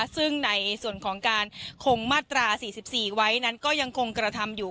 ซึ่งในส่วนของการคงมาตรา๔๔ไว้นั้นก็ยังคงกระทำอยู่